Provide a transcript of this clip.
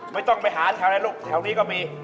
ไม่ต้องไปหาแถวนี้ลูกนิกว่ามี